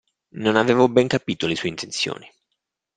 Non avevo ben capito le sue intenzioni.